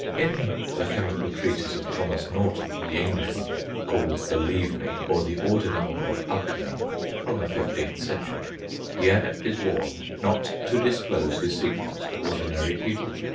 In The Chemical Treatise of Thomas Norton, the Englishman, called Believe me, or the Ordinal of Alchemy (15th century), the adept is warned not to disclose his secrets to ordinary people.